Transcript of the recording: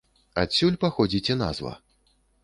Адсюль паходзіць і назва.